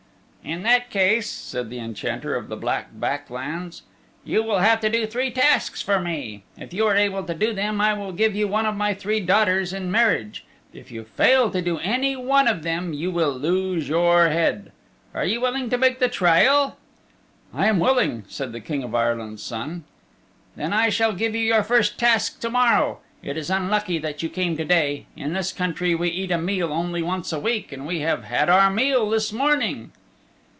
"In that case," said the Enchanter of the Black Back Lands, "you will have to do three tasks for me. If you are able to do them I will give you one of my three daughters in marriage. If you fail to do any one of them you will lose your head. Are you willing to make the trial?" "I am willing," said the King of Ireland's Son. "Then I shall give you your first task to morrow. It is unlucky that you came to day. In this country we eat a meal only once a week, and we have had our meal this morning."